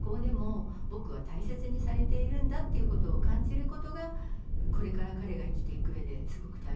「僕は大切にされているんだ」っていうことを感じることがこれから彼が生きていくうえですごく大切なことで。